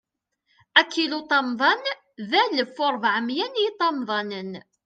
Akiluṭamḍan, d alef u rebɛa u miyya n yiṭamḍanen.